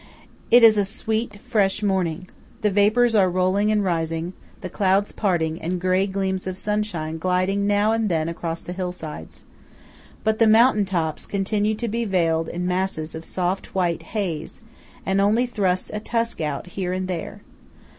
It is a sweet, fresh morning. The vapours are rolling and rising; the clouds parting; and stray gleams of sunshine gliding now and then across the hill sides. But the mountain tops, continue to be veiled in masses of soft, white haze, and only thrust a tusk out here and there.